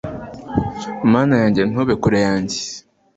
Mana yanjye ntube kure yanjye